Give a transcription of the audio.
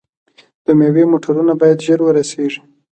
د میوو موټرونه باید ژر ورسیږي.